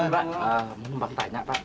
pak mau mbak tanya ya pak